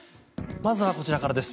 まずはこちらからです。